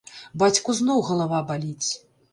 Бацьку зноў галава баліць.